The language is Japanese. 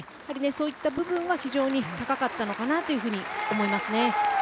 そういった部分は非常に高かったのかなと思います。